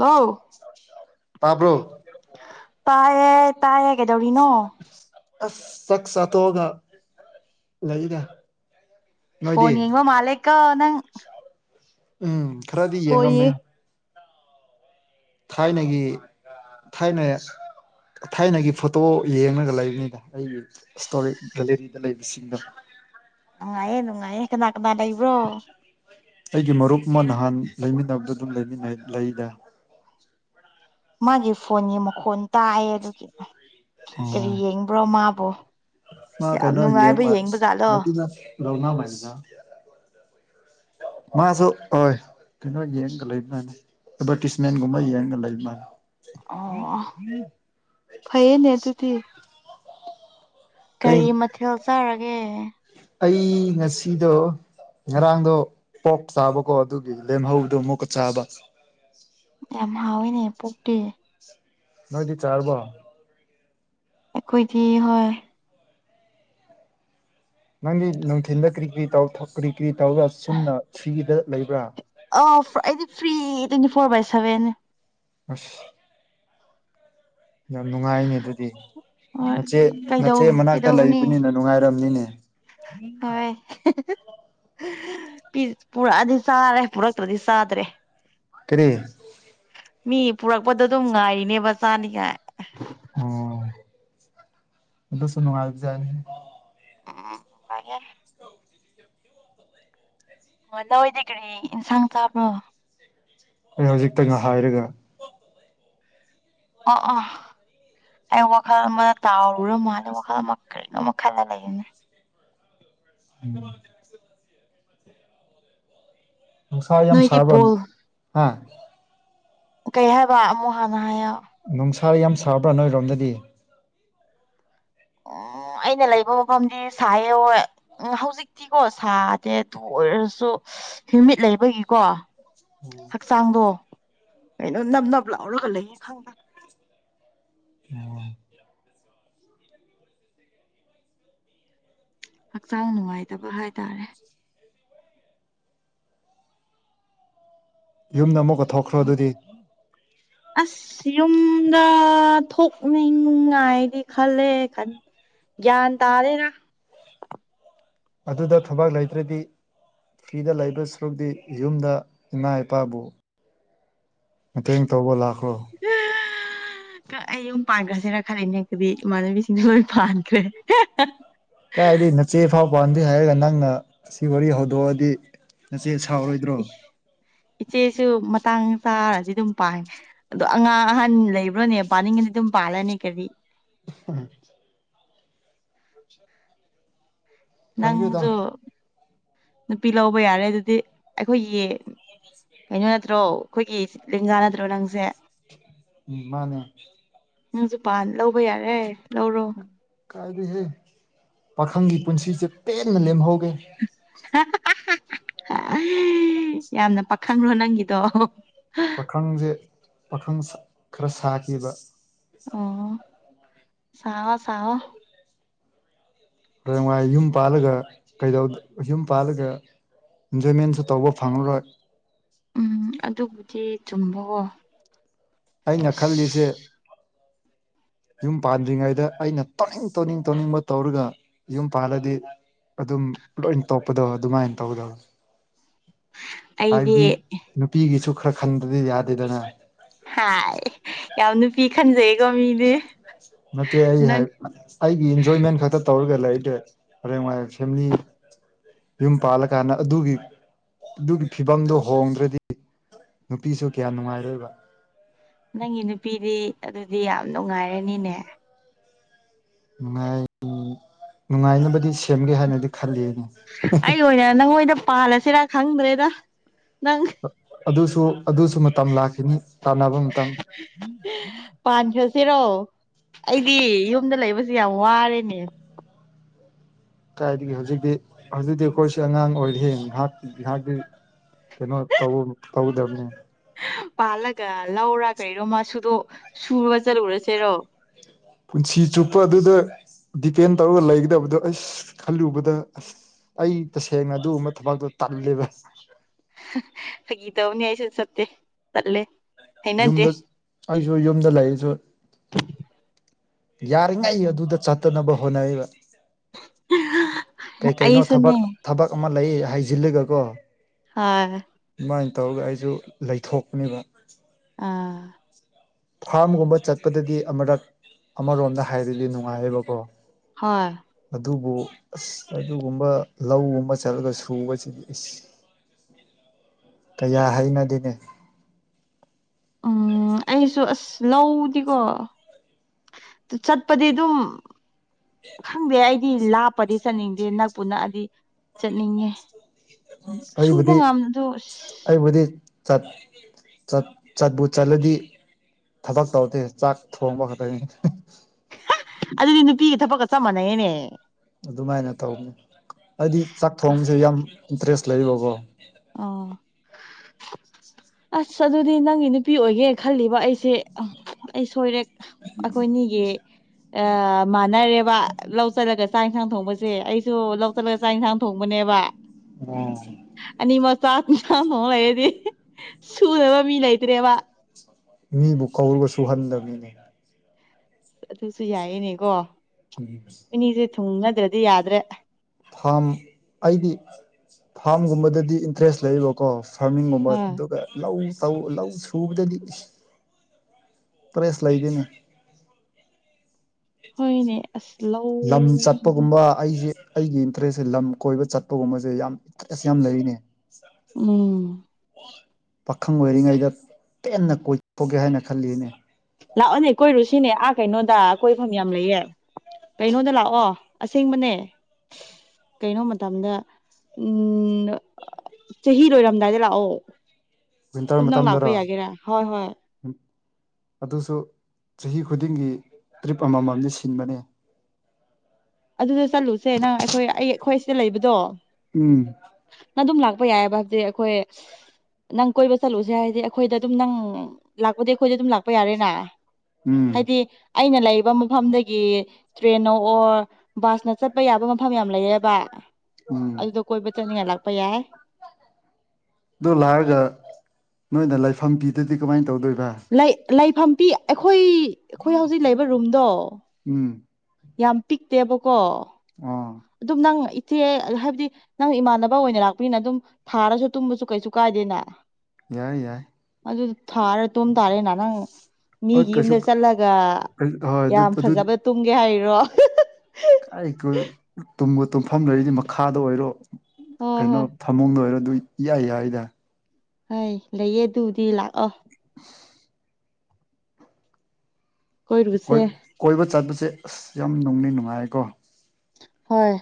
hello ꯇꯥꯕ꯭ꯔꯣ ꯇꯥꯏꯌꯦ ꯇꯥꯏꯌꯦ ꯀꯩꯗꯧꯔꯤꯅꯣ ꯑꯁ ꯆꯥꯛ ꯆꯥꯊꯣꯛꯑꯒ ꯂꯩꯗ ꯐꯣꯟ ꯅꯣꯏꯗꯤ ꯌꯦꯡꯕ ꯃꯥꯂꯦꯀꯣ ꯅꯪ ꯎꯝ ꯈꯔꯗꯤ ꯍꯣꯏꯌꯦ ꯌꯦꯉꯝꯃꯦ ꯊꯥꯏꯅꯒꯤ ꯊꯥꯏꯅ ꯊꯥꯏꯅꯒꯤ ꯐꯣꯇꯣ ꯌꯦꯡꯉꯒ ꯂꯩꯕꯅꯤꯗ ꯑꯩꯒꯤ ꯏꯁꯇꯣ ꯀꯂꯦꯛꯗ ꯂꯩꯕꯁꯤꯡꯗ ꯅꯨꯡꯉꯥꯏꯌꯦ ꯅꯨꯡꯉꯥꯏꯌꯦ ꯀꯅꯥ ꯀꯅꯥ ꯂꯩꯕ꯭ꯔꯣ ꯑꯩꯒꯤ ꯃꯔꯨꯞ ꯑꯃ ꯅꯍꯥꯟ ꯂꯩꯃꯤꯟꯅꯕꯗꯣ ꯑꯗꯨꯝ ꯂꯩꯃꯤꯟꯅꯩ ꯂꯩꯗ ꯃꯥꯒꯤ ꯐꯣꯟꯒꯤ ꯃꯈꯣꯟ ꯇꯥꯏꯑꯦ ꯑꯗꯨꯒꯤ ꯀꯔꯤ ꯑꯣ ꯌꯦꯡꯕ꯭ꯔꯣ ꯃꯥꯕꯨꯣ ꯃꯥ ꯌꯥꯝ ꯀꯩꯅꯣ ꯌꯦꯡ ꯅꯨꯡꯉꯥꯏꯕ ꯃꯥꯜꯂꯦ ꯌꯦꯡꯕ ꯖꯥꯠꯂꯣ [inaudible] ꯃꯥꯁꯨ ꯍꯣꯏ ꯀꯩꯅꯣ ꯌꯦꯡꯉ ꯂꯩꯕꯅꯤ ꯑꯦꯗꯚꯔꯇꯤꯁꯃꯦꯟꯒꯨꯝꯕ ꯌꯦꯡꯉ ꯂꯩꯕꯅꯤ ꯑꯣ ꯐꯩꯌꯦꯅꯦ ꯗꯨꯗꯤ ꯀꯩ ꯀꯔꯤ ꯃꯊꯦꯜ ꯆꯥꯔꯒꯦ ꯑꯩ ꯉꯁꯤꯗꯣ ꯉꯔꯥꯡꯗꯣ ꯄꯣꯔꯛ ꯆꯥꯕꯀꯣ ꯑꯗꯨꯒꯤ ꯂꯦꯝꯍꯧꯗꯣ ꯑꯃꯨꯛꯀ ꯆꯥꯕ ꯌꯥꯝ ꯍꯥꯎꯋꯦꯅꯦ ꯑꯗꯨꯗꯤ ꯅꯣꯏꯗꯤ ꯆꯥꯔꯕꯣ ꯑꯩꯈꯣꯏꯗꯤ ꯍꯣꯏ ꯅꯪꯗꯤ ꯅꯨꯡꯊꯤꯤꯟꯗ ꯀꯔꯤ ꯀꯔꯤ ꯇꯧ ꯀꯔꯤ ꯀꯔꯤ ꯇꯧꯔ ꯆꯨꯝꯅ ꯊ꯭ꯔꯤꯗ ꯂꯩꯕ꯭ꯔꯥ ꯑ ꯑꯩꯗꯤ ꯐ꯭ꯔꯤ ꯇ꯭ꯋꯦꯟꯇꯤ ꯐꯣꯔ ꯕꯥꯏ ꯁꯦꯚꯦꯟꯅꯦ ꯑꯁ ꯌꯥꯝ ꯅꯨꯡꯉꯥꯏꯅꯦ ꯑꯗꯨꯗꯤ ꯍꯣꯏ ꯅꯆꯦꯠ ꯀꯩꯗꯧ ꯃꯆꯦꯠ ꯃꯅꯥꯛꯇ ꯀꯩꯗꯧꯔꯨꯅꯤ ꯂꯩꯕꯅꯤꯅ ꯅꯨꯡꯉꯥꯏꯔꯝꯅꯤꯅꯦ ꯍꯣꯏ ꯄꯨꯔꯛꯑꯗꯤ ꯆꯥꯔꯦ ꯄꯨꯔꯛꯇ꯭ꯔꯗꯤ ꯆꯥꯗ꯭ꯔꯦ ꯀꯔꯤ ꯃꯤ ꯄꯨꯔꯛꯄꯗ ꯑꯗꯨꯝ ꯉꯥꯏꯔꯤꯅꯦꯕ ꯆꯥꯅꯤꯉꯥꯏ ꯑꯣꯗꯁꯨꯅꯅꯨꯡꯉꯖꯅꯤ ꯎꯝ ꯍ ꯑꯣ ꯅꯣꯏꯗꯤ ꯀꯔꯤ ꯏꯟꯁꯥꯡ ꯆꯥꯕ꯭ꯔꯣ ꯑꯩ ꯍꯧꯖꯤꯛꯇꯪ ꯉ ꯍꯥꯏꯔꯒ ꯑꯣ ꯑ ꯑꯩ ꯋꯥꯈꯜ ꯑꯃꯗ ꯇꯥꯎꯔꯨꯔ ꯃꯥꯜꯂꯦ ꯋꯥꯈꯜ ꯑꯃ ꯀꯔꯤꯅꯣꯝꯃ ꯈꯜꯂ ꯂꯩꯅꯦ ꯑ ꯁꯥ ꯌꯥꯝ ꯅꯣꯏꯗꯤ ꯁꯕꯅꯤ ꯕꯣꯜ ꯍꯥꯥ ꯀꯩ ꯍꯥꯏꯕ ꯑꯃꯨꯛ ꯍꯥꯟꯅ ꯍꯥꯏꯌ ꯅꯨꯡꯁꯥ ꯌꯥꯝ ꯁꯥꯕ꯭ꯔꯥ ꯅꯣꯏꯔꯣꯝꯗꯗꯤ ꯎꯝ ꯑꯩꯅ ꯂꯩꯕ ꯃꯐꯝꯗꯤ ꯁꯥꯏ ꯎ ꯍꯧꯖꯤꯛ ꯛꯇꯤꯀꯣ ꯁꯥꯗꯦ ꯑꯗꯨ ꯑꯣꯏꯔꯁꯨ ꯍ꯭ꯌꯨꯃꯤꯠ ꯂꯩꯕꯒꯤꯀꯣ ꯍꯛꯆꯥꯡꯗꯣ ꯀꯩꯅꯣ ꯅꯞ ꯅꯞ ꯂꯥꯎꯔꯒ ꯂꯩꯌꯦ ꯈꯪꯗ ꯑ ꯍꯛꯆꯥꯡ ꯅꯨꯡꯉꯥꯏꯇꯕ ꯍꯥꯏꯇꯥꯔꯦ ꯌꯨꯝꯗ ꯑꯃꯨꯛꯀ ꯊꯣꯛꯈ꯭ꯔꯣ ꯑꯗꯨꯗꯤ ꯑꯁ ꯌꯨꯝꯗ ꯊꯣꯛꯅꯤꯡꯉꯥꯏꯗꯤ ꯈꯜꯂꯦ ꯭ꯌꯟ ꯇꯥꯔꯦꯅ ꯑꯗꯨꯗ ꯊꯕꯛ ꯂꯩꯇ꯭ꯔꯗꯤ ꯐ꯭ꯔꯤꯗ ꯂꯩꯕ ꯁꯔꯨꯛꯇꯤ ꯌꯨꯝꯗ ꯏꯃꯥ ꯏꯄꯥꯕꯨ ꯃꯇꯦꯡ ꯇꯧꯕ ꯂꯥꯛꯂꯣ ꯑꯩ ꯌꯨꯝ ꯄꯥꯟꯈ꯭ꯔꯁꯤꯅ ꯈꯜꯂꯅꯦ ꯍꯛꯇꯗꯤ ꯏꯃꯥꯟꯅꯕꯤꯁꯤꯡꯁꯨ ꯂꯣꯏ ꯄꯥꯟꯈ꯭ꯔꯦ ꯀꯗꯤ ꯅꯆꯦ ꯐꯥꯎ ꯄꯥꯟꯗꯦ ꯍꯥꯏꯔꯒ ꯅꯪꯅ ꯑꯁꯤ ꯋꯥꯔꯤ ꯍꯧꯗꯣꯛꯑꯗꯤ ꯉꯆꯦ ꯁꯥꯎꯔꯣꯏꯗ꯭ꯔꯣ ꯏꯆꯦꯁꯨ ꯃꯇꯥꯡ ꯆꯥꯔꯗꯤ ꯑꯗꯨꯝ ꯄꯥꯡꯅꯦ ꯑꯗꯣ ꯑꯉꯥꯡ ꯑꯍꯟ ꯂꯩꯕ꯭ꯔꯣꯅꯦ ꯄꯥꯅꯤꯡꯉꯗꯤ ꯑꯗꯨꯝ ꯄꯥꯜꯂꯅꯤ ꯀꯔꯤ ꯑ [inaudible] ꯈꯪꯗꯦꯗ ꯅꯪꯁꯨ ꯅꯨꯄꯤ ꯂꯧꯕ ꯌꯥꯔꯦ ꯑꯗꯨꯗꯤ ꯑꯩꯈꯣꯏꯒꯤ ꯀꯩꯅꯣ ꯅꯠꯇ꯭ꯔꯣ ꯑꯩꯈꯣꯏꯒꯤ ꯂꯦꯡꯖꯥ ꯅꯠꯇ꯭ꯔꯣ ꯅꯪꯁꯦ ꯎ ꯃꯥꯅꯦ ꯅꯪꯁꯨ ꯄꯥꯟ ꯂꯧꯕ ꯌꯥꯔꯦ ꯂꯧꯔꯣ ꯀꯥꯏꯗꯍꯦ ꯄꯥꯈꯪꯒꯤ ꯄꯨꯟꯁꯤꯁꯦ ꯄꯦꯟꯅ ꯂꯦꯝꯍꯧꯒꯦ ꯌꯥꯝꯅ ꯈꯪꯕ꯭ꯔꯣ ꯅꯪꯒꯤꯗꯣ ꯄꯥꯈꯪꯁꯦ ꯄꯥꯈꯪ ꯈꯔ ꯁꯥꯈꯤꯕ ꯑꯣ ꯁꯑꯣ ꯁꯥꯑꯣ ꯌꯨꯝ ꯄꯥꯜꯂꯒ ꯀꯩꯗ ꯌꯨꯝ ꯄꯥꯜꯂꯒ ꯏꯟꯖꯣꯏꯃꯦꯟꯁꯨ ꯇꯧꯕ ꯐꯪꯂꯉꯔꯣꯏ ꯎꯝ ꯑꯗꯨꯕꯨꯗꯤ ꯆꯨꯝꯕꯋꯣ ꯑꯩꯅ ꯈꯜꯂꯤꯁꯦ [inaudible] ꯌꯨꯝ ꯄꯥꯟꯗ꯭ꯔꯤꯉꯩꯗ ꯑꯩꯅ ꯇꯧꯅꯤꯡ ꯇꯧꯅꯤꯡ ꯇꯧꯅꯤꯡꯕ ꯇꯧꯔꯒ ꯌꯨꯝ ꯄꯜꯂꯗꯤ ꯑꯗꯨꯝ ꯂꯣꯏ ꯇꯣꯞꯄꯗꯣ ꯑꯗꯨꯃꯥꯏꯅ ꯇꯧꯗꯕ [inaudible] ꯍꯥꯏꯕꯗꯤ ꯅꯨꯄꯤꯒꯤꯁꯨ ꯈꯔ ꯈꯟꯗꯗꯤ ꯌꯥꯗꯦꯗꯅ ꯍ ꯌꯥꯎꯅ ꯄꯤꯈꯟꯖꯩꯒꯣ ꯃꯤ ꯅꯠꯇꯦ ꯑꯩ ꯑꯩꯒꯤ ꯏꯟꯖꯣꯏꯃꯦꯟ ꯈꯛꯇ ꯇꯧꯔꯒ ꯂꯩꯗꯦ ꯍꯣꯔꯦꯟ ꯋꯥ ꯐꯦꯃꯤꯂꯤ ꯌꯨꯝ ꯄꯥꯜꯂꯀꯥꯟꯗ ꯑꯗꯨꯒꯤ ꯑꯗꯨꯒꯤ ꯐꯤꯕꯝꯗꯨ ꯍꯣꯡꯗ꯭ꯔꯗꯤ ꯅꯨꯄꯤꯁꯨ ꯀꯌꯥꯝ ꯅꯨꯡꯉꯥꯏꯔꯣꯏꯕ ꯅꯪꯒꯤ ꯅꯨꯄꯤꯗꯤ ꯑꯗꯨꯗꯤ ꯌꯥꯝ ꯅꯨꯡꯉꯥꯏꯔꯅꯤꯅꯦ ꯅꯨꯡꯉꯥꯏ ꯅꯨꯡꯉꯥꯏꯅꯕꯗꯤ ꯁꯦꯝꯒꯦ ꯍꯥꯏꯅꯗꯤ ꯈꯜꯂꯤ ꯑꯩ ꯑꯣꯏꯅ ꯅꯪꯗ ꯄꯥꯜꯂꯁꯤꯔꯥ ꯈꯪꯗ꯭ꯔꯦꯗ ꯅꯪ ꯑꯗꯨꯁꯨ ꯑꯗꯨꯁꯨ ꯃꯇꯝ ꯂꯥꯛꯈꯤꯅꯤ ꯇꯥꯟꯅꯕ ꯃꯇꯝꯇꯪ ꯄꯥꯟꯈ꯭ꯔꯁꯤꯔꯣ ꯑꯩꯗꯤ ꯌꯨꯝꯗ ꯂꯩꯕꯁꯨ ꯌꯥꯝ ꯋꯥꯔꯦꯅꯦ ꯀꯥꯏꯗꯒꯤꯦ ꯍꯧꯖꯤꯛꯇꯤ ꯍꯧꯖꯤꯛꯇꯤ ꯑꯩꯈꯣꯏꯁꯨ ꯑꯉꯥꯡ ꯑꯣꯏꯔꯤꯦ ꯉꯥꯏꯍꯥꯛ ꯉꯍꯥꯛꯇꯤ ꯀꯩꯅꯩꯅꯣ ꯇꯧꯕ ꯇꯧꯕꯗꯝꯅꯤ ꯄꯥꯜꯂꯒ ꯂꯧꯔꯥ ꯀꯔꯤꯔꯣ ꯃꯥꯁꯨꯨꯗꯣ ꯁꯨꯔ ꯆꯠꯂꯨꯔꯁꯦꯔꯣ ꯄꯨꯟꯁꯤ ꯆꯨꯞꯄ ꯑꯗꯨꯗ ꯗꯤꯄꯦꯟ ꯇꯧꯔꯒ ꯂꯩꯒꯗꯕꯗꯣ ꯑꯁ ꯈꯜꯂꯨꯕꯗ ꯑꯁ ꯑꯩ ꯇꯁꯦꯡꯅ ꯑꯗꯨꯒꯨꯝꯕ ꯊꯕꯛꯇꯣ ꯇꯜꯂꯦꯕ ꯒꯤ ꯇꯧꯅꯤ ꯍꯥꯏꯥꯏꯁ ꯁꯇꯦ ꯆꯂꯦ ꯌꯨꯝꯗ ꯑꯩꯁꯨ ꯌꯨꯝꯗ ꯂꯩꯁꯨ ꯌꯥꯔꯤꯉꯩ ꯑꯩ ꯑꯗꯨꯗ ꯆꯠꯇꯅꯕ ꯍꯣꯠꯅꯩꯕ ꯀꯩ ꯀꯩꯅꯣ ꯑꯩꯁꯨꯅꯦ ꯊꯕꯛ ꯊꯕꯛ ꯑꯃ ꯂꯩ ꯍꯥꯏꯖꯤꯜꯂꯒꯀꯣ ꯍꯣꯏ ꯑꯗꯨꯃꯥꯏꯅ ꯇꯧꯔꯒ ꯑꯩꯁꯨ ꯂꯩꯊꯣꯛꯄꯅꯦꯕ ꯑꯥ ꯐꯥꯔꯝꯒꯨꯝꯕ ꯆꯠꯄꯗꯗꯤ ꯑꯃꯨꯔꯛ ꯑꯃꯔꯣꯝꯗ ꯍꯥꯏꯔꯤꯗꯤ ꯅꯨꯡꯉꯥꯏꯌꯦꯕꯀꯣ ꯍꯣꯏ ꯑꯗꯨꯕꯨ ꯑꯁ ꯑꯗꯨꯒꯨꯝꯕ ꯂꯧꯒꯨꯝꯕ ꯆꯠꯂꯒ ꯁꯨꯕꯁꯤꯗꯤ [unintelligible] ꯀꯌꯥ ꯍꯩꯅꯗꯅꯦ ꯎꯝ ꯑꯩꯁꯨ ꯑꯁ ꯂꯧꯗꯤꯀꯣ ꯆꯠꯄꯗꯤ ꯑꯗꯨꯝ ꯈꯪꯗꯦ ꯑꯩꯗꯤ ꯂꯥꯞꯄꯗꯤ ꯆꯠꯅꯤꯡꯗꯦ ꯅꯛꯄꯨ ꯅꯛꯑꯗꯤ ꯆꯠꯅꯤꯡꯉꯦ ꯁꯨꯕ ꯑꯩꯕꯨꯗꯤ ꯉꯝꯗꯣ ꯑꯁ ꯑꯩꯕꯨꯗꯤ ꯆ ꯆꯠꯄ ꯆꯠꯂꯗꯤ ꯊꯕꯛ ꯇꯧꯗꯦ ꯆꯥꯛ ꯊꯣꯡꯕ ꯈꯛꯇꯪꯅꯤ ꯑꯗꯨꯗꯤ ꯅꯨꯄꯤꯒ ꯊꯕꯛꯀ ꯆꯞ ꯃꯥꯟꯅꯩꯅꯦ ꯑꯗꯨꯃꯥꯏꯅ ꯇꯧꯅꯤ ꯍꯥꯏꯗꯤ ꯆꯥꯛ ꯊꯣꯡꯁꯦ ꯌꯥꯝ ꯏꯟꯇꯔꯦꯁ ꯂꯩꯕꯀꯣ ꯑꯣ ꯑꯁ ꯑꯗꯨꯗꯤ ꯅꯪꯒꯤ ꯅꯨꯄꯤ ꯑꯣꯏꯒꯦ ꯈꯜꯂꯤꯕ ꯑꯩꯁꯦ ꯑꯩ ꯁꯣꯏꯔꯦ ꯑꯩꯈꯣꯏꯅꯤꯒꯤ ꯃꯥꯟꯅꯔꯦꯕ ꯂꯧ ꯆꯠꯂꯒ ꯆꯥꯛ ꯌꯦꯟꯁꯥꯡ ꯊꯣꯡꯕꯁꯦ ꯑꯩꯁꯨ ꯂꯧ ꯆꯠꯂꯒ ꯆꯥꯛ ꯏꯟꯁꯥꯡ ꯊꯣꯡꯕꯅꯦꯕ ꯑꯣ ꯑꯅꯤ ꯃꯆꯥ ꯃꯆꯥ ꯐ ꯂꯩꯔꯗꯤ ꯁꯨꯗꯅꯕ ꯃꯤ ꯂꯩꯇ꯭ꯔꯦꯕ ꯃꯥ [inaudible] ꯃꯤꯕꯨ ꯀꯧꯔꯒꯁꯨꯨꯍꯟꯗꯕꯤꯅꯤ ꯑꯗꯨꯁꯨ ꯌꯥꯏꯌꯦꯅꯦꯀꯣ ꯌꯦꯁ [inaudible] ꯏꯅꯤꯁꯦ ꯊꯨꯡꯅꯗ꯭ꯔꯗꯤ ꯌꯥꯗ꯭ꯔꯦ ꯐꯥꯝ ꯑꯩꯗꯤ ꯐꯥꯝꯒꯨꯝꯕꯗꯗꯤ ꯏꯟꯇꯔꯦꯁ ꯂꯩꯌꯦꯕꯀꯣ ꯐꯃꯤꯡ ꯑ ꯃꯃꯠ ꯑꯗꯨꯒ ꯂꯧ ꯂꯧ ꯁꯨꯕꯗꯗꯤ ꯄ꯭ꯔꯦꯁ ꯂꯩꯗꯣꯏꯅꯦ ꯍꯣꯏꯅꯦ ꯑꯁ ꯂꯝ ꯂꯧ ꯍꯧꯁꯦ ꯆꯠꯄꯒꯨꯝꯕ ꯑꯩꯁꯦ ꯑꯩꯒꯤ ꯏꯟꯇꯔꯦꯁꯁꯦ ꯂꯝ ꯀꯣꯏꯕ ꯆꯠꯄꯒꯨꯝꯕꯁꯦ ꯌꯥꯝ ꯏꯟꯇꯔꯦꯁ ꯌꯥꯝꯅ ꯂꯩꯔꯤꯅꯦ ꯎꯝ ꯄꯥꯈꯪ ꯑꯣꯏꯔꯤꯉꯩꯗ ꯄꯦꯟꯅ ꯀꯣꯏꯊꯣꯛꯀꯦ ꯍꯥꯏꯅ ꯈꯜꯂꯤꯅꯦ ꯂꯥꯛꯑꯣꯅꯦ ꯀꯣꯏꯔꯨ ꯁꯤꯅꯦ ꯑꯥ ꯀꯩꯅꯣꯗ ꯀꯣꯏꯐꯝ ꯌꯥꯝ ꯂꯩꯌꯦ ꯀꯩꯅꯣꯗ ꯂꯥꯛꯑꯣ ꯑꯁꯦꯡꯕꯅꯦ ꯀꯩꯅꯣ ꯃꯇꯝꯗ ꯎꯝ ꯆꯍꯤ ꯂꯣꯏꯔꯝꯗꯥꯏꯗ ꯂꯥꯛꯑꯣ ꯇꯝꯗꯪ ꯂꯥꯛꯄ ꯌꯥꯒꯦꯔꯥ ꯍꯣꯏ ꯍꯣꯏ ꯎ ꯑꯗꯨꯁꯨ ꯆꯍꯤ ꯈꯨꯗꯤꯡꯒꯤ ꯇ꯭ꯔꯤꯞ ꯑꯃꯃꯝꯗꯤ ꯁꯤꯟꯕꯅꯦ ꯑꯗꯨꯗ ꯆꯠꯂꯨꯁꯦ ꯅꯪ ꯑꯩꯈꯣꯏ ꯑꯩ ꯑꯩꯈꯣꯏ ꯁꯤꯗ ꯂꯩꯕꯗꯣ ꯎꯝ ꯅ ꯑꯗꯨꯝ ꯂꯥꯛꯄ ꯌꯥꯏꯑꯕ ꯍꯥꯏꯕꯗꯤ ꯑꯩꯈꯣꯏ ꯅꯪ ꯀꯣꯏꯕ ꯆꯠꯂꯨꯁꯦ ꯍꯥꯏꯗꯤ ꯑꯩꯈꯣꯏꯗ ꯑꯗꯨꯝ ꯅꯪ ꯂꯥꯛꯄꯗꯤ ꯑꯩꯈꯣꯏꯗ ꯑꯗꯨꯝ ꯂꯥꯛꯄ ꯌꯥꯔꯦꯅꯥ ꯎꯝ ꯍꯥꯏꯗꯤ ꯑꯩꯅ ꯂꯩꯕ ꯃꯐꯝꯗꯒꯤ ꯇ꯭ꯔꯦꯅꯣ ꯑꯣꯔ ꯕꯥꯁꯅ ꯆꯠꯄ ꯌꯥꯕ ꯃꯐꯝ ꯌꯥꯝ ꯂꯩꯌꯦꯕ ꯎꯝ ꯑꯗꯨꯗꯣ ꯀꯣꯏꯕ ꯆꯠꯅꯤꯡꯉꯥꯏ ꯂꯥꯛꯄ ꯌꯥꯏ ꯑꯗꯨ ꯂꯥꯛꯔꯒ ꯅꯣꯏꯅ ꯂꯥꯏꯐꯝ ꯄꯤꯗꯗꯤ ꯀꯃꯥꯏꯅ ꯇꯧꯗꯣꯏꯕ ꯂꯩ ꯂꯩꯐꯝ ꯄ ꯑꯩꯈꯣꯏ ꯑꯩꯈꯣꯏ ꯍꯧꯖꯤꯛ ꯂꯩꯕ ꯔꯨꯝꯗꯣ ꯎꯝ ꯌꯥꯝ ꯄꯤꯛꯇꯦꯕꯀꯣ ꯑꯥ ꯑꯗꯨꯝ ꯅꯪ ꯏꯆꯦ ꯍꯥꯏꯕꯗꯤ ꯅꯪ ꯏꯃꯥꯟꯅꯕ ꯑꯣꯏꯅ ꯂꯥꯛꯄꯅꯤꯅ ꯑꯗꯨꯝ ꯊꯥꯔꯁꯨ ꯇꯨꯝꯕꯁꯨ ꯀꯩꯁꯨ ꯀꯥꯏꯗꯦꯅ ꯌꯥꯏ ꯌꯥꯏ ꯑꯗꯨ ꯊꯥꯔ ꯇꯣꯝ ꯇꯥꯔꯦꯅ ꯅꯪ ꯍꯣꯏ ꯃꯤꯒꯤ ꯀꯩꯁꯨ ꯌꯨꯝꯗ ꯆꯠꯂꯒ ꯍꯣꯏ ꯑꯗꯨ ꯌꯥꯝ ꯑꯗꯨꯗꯤ ꯐꯖꯕ ꯇꯨꯝꯒꯦ ꯍꯥꯏꯔꯣ ꯀ ꯇꯨꯝꯕ ꯇꯨꯝꯐꯝ ꯂꯩꯔꯤꯗꯤ ꯃꯈꯥꯗ ꯑꯣꯏꯔꯣ ꯍꯣꯏ ꯀꯩꯅꯣ ꯍꯣꯏ ꯊꯃꯨꯡꯗ ꯑꯣꯏꯔꯣ ꯑꯗꯨ ꯌꯥꯏ ꯌꯥꯏꯗ ꯍꯣꯏ ꯂꯩꯌꯦ ꯑꯗꯨꯕꯨꯗꯤ ꯂꯥꯛꯑꯣ ꯀꯣꯏꯔꯨꯁꯦ ꯣꯏ ꯀꯣꯏꯕ ꯆꯠꯄꯁꯦ ꯑꯁ ꯌꯥꯝ ꯅꯨꯡꯅ ꯅꯨꯡꯉꯥꯏꯀꯣ ꯍꯣꯏ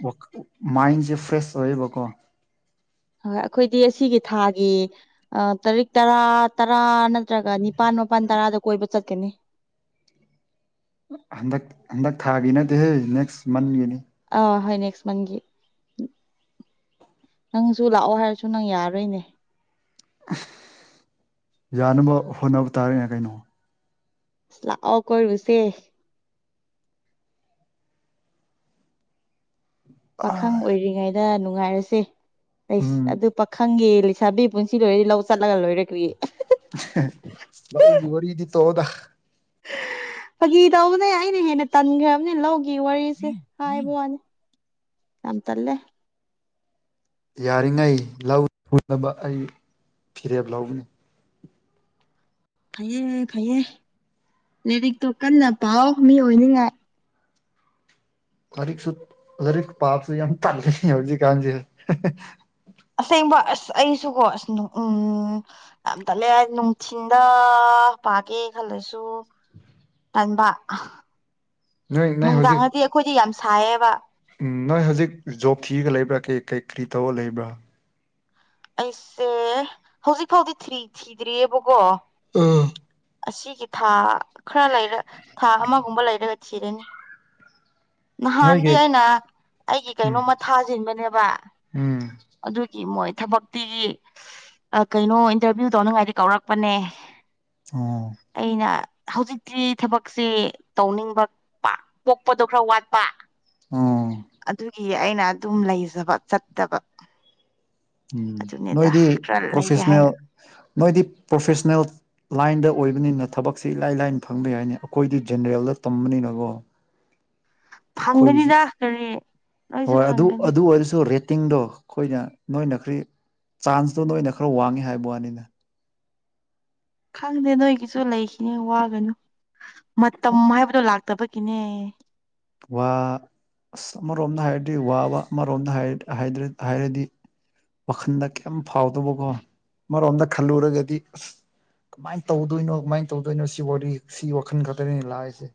ꯃꯥꯏꯟꯁꯦ ꯐ꯭ꯔꯦꯁ ꯑꯣꯏꯌꯦꯕꯀꯣ ꯍꯣꯏ ꯑꯩꯈꯣꯏꯗꯤ ꯑꯁꯤꯒꯤ ꯊꯥꯒꯤ ꯇꯔꯤꯛ ꯇꯔꯥ ꯇꯔꯥ ꯅꯠꯇ꯭ꯔꯒ ꯅꯤꯄꯥꯥꯟ ꯃꯄꯜ ꯇꯔꯥꯗ ꯀꯣꯏꯕ ꯆꯠꯀꯅꯤ ꯍꯟꯗꯛ ꯍꯟꯗꯛ ꯊꯥꯒꯤ ꯅꯠꯇꯦ ꯅꯦꯛꯁ ꯃꯟꯒꯤꯅꯤ ꯑ ꯍꯣꯏ ꯅꯦꯛꯁ ꯃꯟꯒꯤ ꯅꯪꯁꯨ ꯂꯥꯛꯑꯣ ꯍꯥꯏꯔꯁꯨ ꯅꯪ ꯌꯥꯔꯔꯣꯏꯅꯦ ꯌꯥꯅꯕ ꯍꯣꯠꯅꯕ ꯇꯥꯔꯦꯅꯦ ꯀꯩꯅꯣ ꯂꯥꯛꯑꯣ ꯀꯣꯏꯔꯨꯁꯦ ꯄꯥꯈꯪ ꯑꯣꯏꯔꯤꯉꯩꯗ ꯅꯨꯡꯉꯥꯏꯔꯁꯦ ꯂꯩꯁ ꯎꯝ ꯑꯗꯨ ꯄꯥꯈꯪꯒꯤꯦ ꯂꯩꯁꯥꯕꯤ ꯄꯨꯟꯁꯤ ꯂꯣꯏꯔꯗꯤ ꯂꯧ ꯆꯠꯂꯒ ꯂꯣꯏꯔꯛ꯭ꯦ ꯂꯧꯎꯒꯤ ꯋꯥꯔꯤꯗꯤ ꯇꯣꯑꯣꯗ ꯐꯥꯒꯤ ꯇꯧꯕꯅꯦ ꯑꯩꯅ ꯍꯦꯟꯅ ꯇꯟꯈ꯭ꯔꯕꯅꯦꯅ ꯂꯧꯒ ꯒꯤ ꯋꯥꯔꯤꯁꯦ ꯍꯥꯏꯕ ꯋꯥꯅꯤ ꯌꯥꯝ ꯇꯜꯂꯦ ꯌꯥꯔꯤꯉꯩ ꯂꯧꯨꯅꯕ ꯑꯩ ꯐꯤꯔꯦꯞ ꯂꯒꯅꯤ ꯐꯩꯌꯦ ꯐꯩꯌꯦ ꯂꯥꯏꯔꯤꯛꯇꯣ ꯀꯟꯅ ꯄꯥꯎ ꯃꯤ ꯑꯣꯏꯅꯤꯡꯉꯥꯏ ꯂꯩꯔꯤꯛꯁꯨ ꯂꯩꯔꯤꯛ ꯄꯥꯕꯁꯨ ꯌꯥꯝ ꯇꯜꯂꯤꯅꯦ ꯍꯧꯖꯤꯛ ꯀꯥꯟꯁꯤ ꯑꯁꯦꯡꯕ ꯑꯁ ꯑꯩꯁꯨꯀꯣ ꯑꯁ ꯎꯝ ꯌꯥꯝ ꯇꯜꯂꯦ ꯅꯨꯡꯊꯤꯟꯗ ꯄꯥꯒꯦ ꯈꯜꯂꯁꯨ ꯇꯟꯕ ꯑ ꯅꯣꯏ ꯅꯣꯏ ꯍꯧꯖꯤꯛ ꯅꯨꯡꯗꯥꯡꯗꯤ ꯑꯩꯈꯣꯏꯗꯤ ꯌꯥꯝ ꯁꯥꯏꯌꯦꯕ ꯎꯝ ꯅꯣꯏ ꯍꯧꯖꯤꯛ ꯖꯣꯕ ꯊꯤꯔꯒ ꯂꯩꯕ꯭ꯔꯥ ꯀ ꯀꯩ ꯀꯔꯤ ꯇꯧꯔꯒ ꯂꯩꯕ꯭ꯔꯥ ꯑꯩꯁꯦ ꯍꯧꯖꯤꯛ ꯐꯥꯎꯗꯤ ꯊ꯭ꯔꯤ ꯊꯤꯗ꯭ꯔꯤꯑꯕꯀꯣ ꯑꯥ ꯑꯁꯤꯒꯤ ꯊꯥ ꯈꯔ ꯂꯩꯔ ꯊꯥ ꯑꯃꯒꯨꯝꯕ ꯂꯩꯔꯒ ꯊꯤꯔꯅꯤ [unintelligible] ꯅꯍꯥꯟꯗꯤ ꯅꯣꯏꯒꯤ ꯑꯩꯅ ꯑꯩꯒꯤ ꯎꯝ ꯀꯩꯅꯣꯝꯃ ꯊꯥꯖꯤꯟꯕꯅꯦꯕ ꯎꯝ ꯑꯗꯨꯒꯤ ꯃꯣꯏ ꯊꯕꯛ ꯇꯤꯒꯤ ꯑ ꯀꯩꯅꯣ ꯏꯟꯇꯔꯚꯤꯌꯨ ꯇꯧꯅꯤꯡꯉꯥꯏꯗꯤ ꯀꯧꯔꯛꯄꯅꯦ ꯑꯣ ꯑꯩꯅ ꯍꯧꯖꯤꯛꯇꯤ ꯊꯕꯛꯁꯦ ꯇꯧꯅꯤꯡꯕ ꯄꯥ ꯄꯣꯛꯄꯗꯣ ꯈꯔ ꯋꯥꯠꯄ ꯑꯣ ꯑꯗꯨꯒꯤ ꯑꯩꯅ ꯑꯗꯨꯝ ꯂꯩꯖꯕ ꯆꯠꯇꯕ ꯎꯝ ꯑꯗꯨꯅꯦꯗ ꯅꯣꯏꯗꯤ ꯈꯔ ꯂꯩꯒꯦ ꯄ꯭ꯔꯣꯐꯦꯁꯅꯦꯜ ꯍꯥꯏꯅ ꯅꯣꯏꯗꯤ ꯄ꯭ꯔꯣꯐꯦꯁꯅꯦꯜ ꯂꯥꯏꯟꯗ ꯑꯣꯏꯕꯅꯤꯅ ꯊꯕꯛꯁꯤ ꯏꯂꯥꯏ ꯂꯥꯏꯅ ꯐꯪꯕ ꯌꯥꯏꯅꯤ ꯑꯩꯈꯣꯏꯗꯤ ꯖꯦꯅꯦꯔꯦꯜꯗ ꯇꯝꯕꯅꯤꯅꯀꯣ ꯑꯩꯈꯣꯏꯒꯤꯁꯤ ꯐꯪꯒꯅꯤꯗ ꯀꯔꯤ ꯅꯣꯏꯁꯨ ꯍꯣꯏ ꯑꯗꯨ ꯐꯪꯒꯅꯤ ꯑꯗꯨ ꯑꯣꯏꯔꯁꯨ ꯔꯦꯇꯤꯡꯗꯣ ꯑꯩꯈꯣꯏꯅ ꯅꯣꯏꯅ ꯈ꯭ꯔꯤ ꯆꯥꯟꯁꯇꯣ ꯅꯣꯏꯅ ꯈꯔ ꯋꯥꯡꯉꯤ ꯍꯥꯏꯕ ꯋꯥꯅꯤꯅ ꯈꯪꯗꯦ ꯅꯣꯏꯒꯤꯁꯨ ꯂꯩꯈꯤꯅꯤ ꯋꯥꯒꯅꯨ ꯃꯇꯝ ꯍꯥꯏꯕꯗꯣ ꯂꯥꯛꯇꯕꯒꯤꯅꯦ ꯋꯥ ꯑꯁ ꯑꯃꯔꯣꯝꯗ ꯍꯥꯏꯔꯗꯤ ꯋꯥꯕ ꯑꯃꯔꯣꯝꯗ ꯍꯥꯏ ꯍꯥꯏꯗ꯭ꯔ ꯍꯥꯏꯔꯗꯤ ꯋꯥꯈꯟꯗ ꯀꯩꯝ ꯐꯥꯎꯗꯕꯀꯣ ꯃꯔꯣꯝꯗ ꯈꯜꯂꯨꯔꯒꯗꯤ ꯑꯁ ꯀꯃꯥꯏꯅ ꯇꯧꯗꯣꯏꯅꯣ ꯀꯃꯥꯏꯅ ꯇꯧꯗꯣꯏꯅꯣ ꯁꯤ ꯋꯥꯔꯤ ꯁꯤ ꯋꯥꯈꯜ ꯈꯛꯇꯅꯤ ꯂꯥꯛꯏꯁꯦ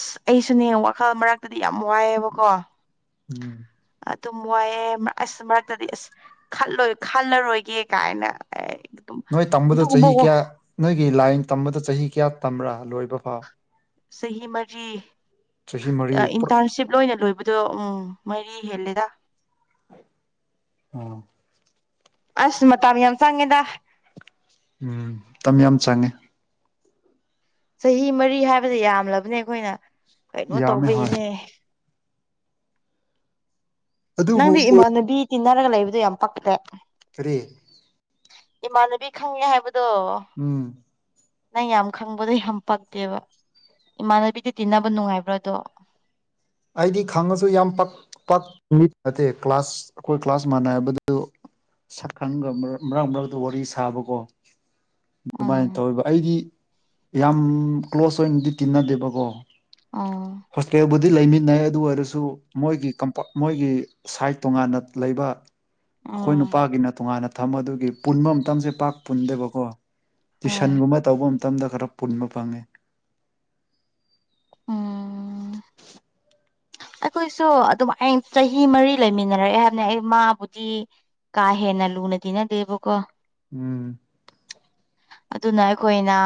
ꯑꯁ ꯑꯩꯁꯨꯅꯦ ꯋꯥꯈꯜ ꯃꯔꯛꯇꯗꯤ ꯌꯥꯝ ꯋꯥꯏꯑꯦꯕꯀꯣ ꯎꯝ ꯑꯗꯨꯝ ꯋꯥꯏꯑꯦ ꯃꯔ ꯑꯁ ꯃꯔꯛꯇꯗꯤ ꯑꯁ ꯈꯜꯂꯣꯏ ꯈꯜꯂꯔꯣꯏꯒꯦ ꯀꯥꯏꯅ ꯑꯩ ꯅꯣꯏ ꯇꯝꯕꯗꯣ ꯆꯍꯤ ꯀꯌꯥ ꯅꯣꯏꯒꯤ ꯂꯥꯏꯟ ꯇꯝꯕꯗ ꯆꯍꯤ ꯀꯌꯥ ꯇꯝꯕ꯭ꯔꯥ ꯂꯣꯏꯕ ꯐꯥꯎ ꯆꯍꯤ ꯃꯔꯤ ꯆꯍꯤ ꯃꯔꯤ ꯑ ꯄꯨꯔꯥ ꯏꯟꯇꯔꯟꯁꯤꯞ ꯂꯣꯏꯅ ꯂꯣꯏꯕ ꯑꯗꯣ ꯎꯝ ꯃꯔꯤ ꯍꯦꯜꯂꯤꯗ ꯑꯣ ꯑꯁ ꯃꯇꯥꯝ ꯌꯥꯝ ꯆꯪꯉꯦꯗ ꯎꯝ ꯃꯇꯝ ꯌꯥꯝ ꯆꯪꯉꯦ ꯆꯍꯤ ꯃꯔꯤ ꯍꯥꯏꯕꯁꯦ ꯌꯥꯝꯂꯕꯅꯦ ꯑꯩꯈꯣꯏꯅ ꯀꯩꯅꯣ ꯌꯥꯝꯃꯦ ꯍꯣꯏ ꯇꯧꯕꯩꯅꯦ ꯑꯗꯨꯕꯨ ꯅꯪꯗꯤ ꯏꯃꯥꯟꯅꯕꯤ ꯇꯤꯟꯅꯔꯒ ꯂꯩꯕꯗꯣ ꯌꯥꯝ ꯄꯛꯇ꯭ꯔꯦ ꯀꯔꯤ ꯏꯃꯥꯟꯅꯕꯤ ꯈꯪꯉꯦ ꯍꯥꯏꯕꯗꯣ ꯎꯝ ꯅꯪ ꯌꯥꯝ ꯈꯪꯕꯗꯣ ꯌꯥꯝ ꯄꯛꯇꯦꯕ ꯏꯃꯥꯟꯅꯕꯤꯗ ꯇꯤꯟꯅꯕ ꯅꯨꯡꯉꯥꯏꯕ꯭ꯔꯥꯗꯣ ꯑꯩꯗꯤ ꯈꯪꯉꯁꯨ ꯌꯥꯝ ꯄꯥꯛ ꯄꯥꯛ ꯃꯤ ꯅꯠꯇꯦ ꯀ꯭ꯂꯥꯁ ꯑꯩꯈꯣꯏ ꯀ꯭ꯂꯥꯁ ꯃꯥꯟꯅꯕꯗꯨ ꯁꯛꯀꯪꯒ ꯃꯔꯛ ꯃꯔꯛꯇ ꯋꯥꯔꯤ ꯁꯥꯕꯀꯣ ꯑꯗꯨꯃꯥꯏꯅ ꯎꯝ ꯇꯧꯌꯦꯕ ꯑꯩꯗꯤ ꯌꯥꯝ ꯀ꯭ꯂꯣꯖ ꯑꯣꯏꯅꯗꯤ ꯇꯤꯟꯅꯗꯦꯕꯀꯣ ꯑꯣ ꯍꯣꯁꯇꯦꯜꯕꯨ ꯗꯤ ꯂꯩꯃꯤꯟꯅꯩ ꯑꯗꯨ ꯑꯣꯏꯔꯁꯨ ꯃꯣꯏꯒꯤ ꯀꯝꯄ ꯃꯣꯏꯒꯤ ꯁꯥꯏꯠ ꯇꯣꯉꯥꯟꯅ ꯂꯩꯕ ꯑꯩꯈꯣꯏ ꯎꯝ ꯅꯨꯄꯥꯒꯤꯅ ꯇꯣꯉꯥꯟꯅ ꯊꯝ ꯑꯗꯨꯒꯤ ꯄꯨꯟꯕ ꯃꯇꯝꯁꯦ ꯄꯥꯛ ꯄꯨꯟꯗꯦꯕꯀꯣ ꯍꯣꯏ ꯇꯨꯏꯁꯟꯒꯨꯝꯕ ꯇꯧꯕ ꯃꯇꯝꯗ ꯈꯔ ꯄꯨꯟꯕ ꯐꯪꯉꯦ ꯎꯝ ꯑꯩꯈꯣꯏꯁꯨ ꯑꯗꯨꯝꯃꯥꯏ ꯆꯍꯤ ꯃꯔꯤ ꯂꯩꯃꯤꯟꯅꯔꯛꯑꯦ ꯍꯥꯏꯕꯅꯦ ꯑꯩ ꯃꯥꯕꯨꯗꯤ ꯀꯥꯍꯦꯟꯅ ꯂꯨꯅ ꯇꯤꯟꯅꯗꯦꯕꯀꯣ ꯎꯝ ꯑꯗꯨꯅ ꯑꯩꯈꯣꯏꯅ